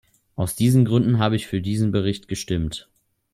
Aus diesen Gründen habe ich für diesen Bericht gestimmt.